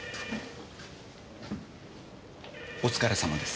お疲れさまです。